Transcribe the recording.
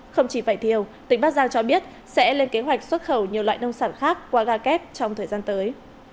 không chỉ vải thiều tỉnh bắc giang cho biết sẽ lên kế hoạch xuất khẩu nhiều loại nông sản khác qua ga kép trong thời gian tới